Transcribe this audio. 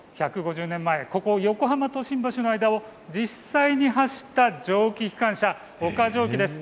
１５０年前、ここ横浜と新橋の間を実際に走った蒸気機関車、陸蒸気です。